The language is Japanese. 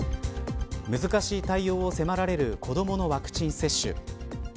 難しい対応を迫られる子どものワクチン接種。